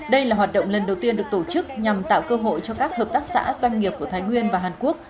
đây là hoạt động lần đầu tiên được tổ chức nhằm tạo cơ hội cho các hợp tác xã doanh nghiệp của thái nguyên và hàn quốc